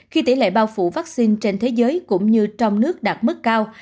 khi tỷ lệ bao phủ vaccine trên thế giới cũng như trong nước đạt mức cao